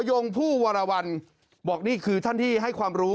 หมอยงฮผู้วารวัลบอกว่านี่คือท่านที่ให้ความรู้